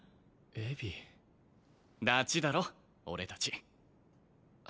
エヴィダチだろ俺達あ